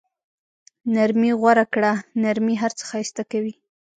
نرمي غوره کړه، نرمي هر څه ښایسته کوي.